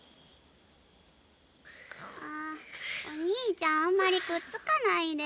んお兄ちゃんあんまりくっつかないで。